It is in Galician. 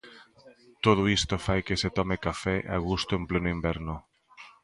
Todo isto fai que se tome café a gusto en pleno inverno.